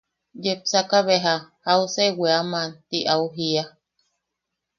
Yepsaka beja –¿Jausa e weaman? Ti au jia.